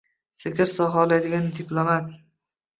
Sigir sog‘a oladigan diplomat